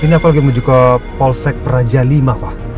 ini aku lagi menuju ke polsek peraja lima pak